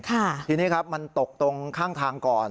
ทีนี้ครับมันตกตรงข้างทางก่อน